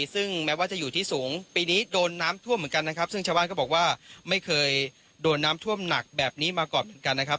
ซึ่งแม้ว่าจะอยู่ที่สูงปีนี้โดนน้ำท่วมเหมือนกันนะครับซึ่งชาวบ้านก็บอกว่าไม่เคยโดนน้ำท่วมหนักแบบนี้มาก่อนเหมือนกันนะครับ